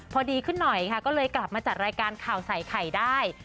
พอดีขึ้นหน่อยค่ะก็เลยกลับมาจัดรายการข่าวใส่ไข่ได้